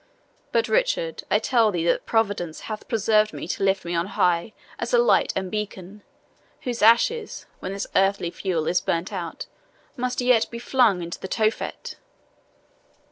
But, Richard, I tell thee that Providence hath preserved me to lift me on high as a light and beacon, whose ashes, when this earthly fuel is burnt out, must yet be flung into Tophet.